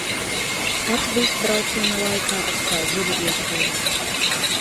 Tad viss brauciena laikā atstāja dziļu iespaidu.